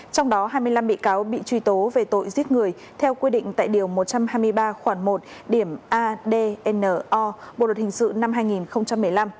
trong đó hai mươi năm bị cáo bị truy tố về tội giết người theo quy định tại điều một trăm hai mươi ba khoản một điểm a dna bộ luật hình sự năm hai nghìn một mươi năm